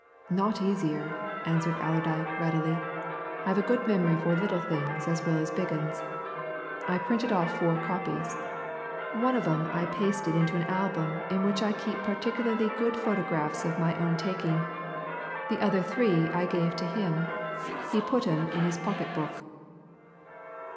"Naught easier," answered Allerdyke readily. "I've a good memory for little things as well as big 'uns. I printed off four copies. One of 'em I pasted into an album in which I keep particularly good photographs of my own taking; the other three I gave to him he put 'em in his pocket book."